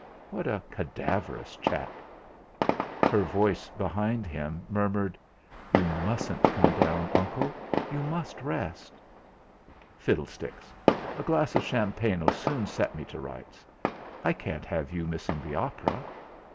What a cadaverous chap! Her voice, behind him, murmured: "You mustn't come down, Uncle; you must rest." "Fiddlesticks! A glass of champagne'll soon set me to rights. I can't have you missing the opera."